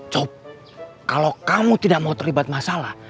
cop kalo kamu tidak mau terlibat masalah